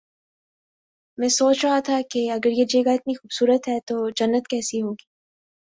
میں سوچ رہا تھا کہ اگر یہ جگہ اتنی خوب صورت ہے تو جنت کیسی ہو گی